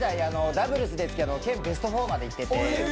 ダブルスで県ベスト４までいってて。